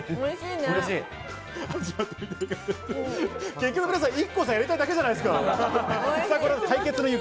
結局、皆さん、ＩＫＫＯさん、やりたいだけじゃないですか。